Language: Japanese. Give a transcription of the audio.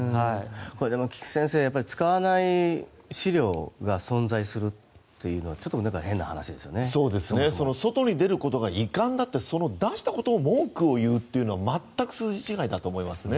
菊地先生、使わない資料が存在するというのは外に出ることが遺憾だって出したことに文句を言うのは全く筋違いだと思いますね。